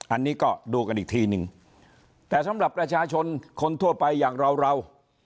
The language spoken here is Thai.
อันนี้ก็ดูกันอีกทีหนึ่งแต่สำหรับประชาชนคนทั่วไปอย่างเราเรา